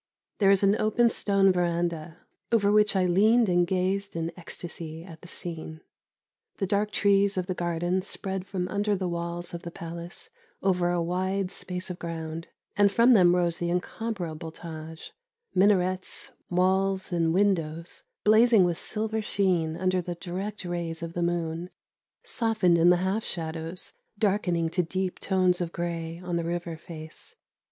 There is an open stone verandah, over which I leaned and gazed in ecstasy at the scene. The dark trees of the garden spread from under the walls of the palace over a wide space of ground, and from them rose the incomparable Tâj; minarets, walls, and windows, blazing with silver sheen under the direct rays of the moon, softened in the half shadows, darkening to deep tones of grey on the river face.